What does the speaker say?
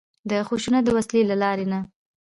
د خشونت د وسلې له لارې نه.